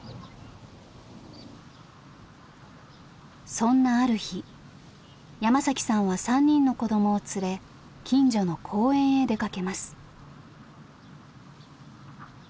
そんなある日山さんは３人の子どもを連れ近所の公園へ出かけます。